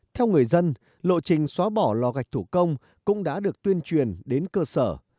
theo người dân lộ trình xóa bỏ lò gạch thủ công cũng đã được tuyên truyền đến cơ sở